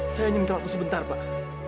saya ingin minta waktu sebentar pak